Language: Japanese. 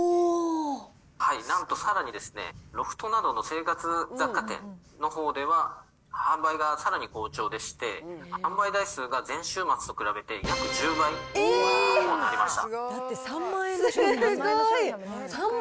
なんとさらに、ロフトなどの生活雑貨店のほうでは、販売がさらに好調でして、販売台数が前週末と比べて約１０倍となりました。